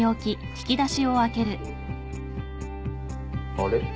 あれ？